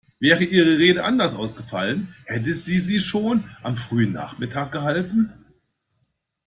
Wäre Ihre Rede anders ausfallen, hätten Sie sie schon am frühen Nachmittag gehalten?